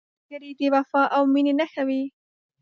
ملګری د وفا او مینې نښه وي